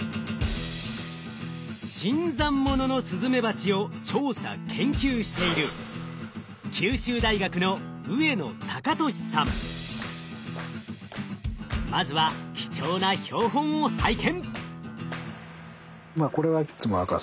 新参者のスズメバチを調査研究しているまずは貴重な標本を拝見。